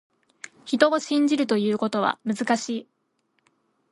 人を信じるということは、難しい。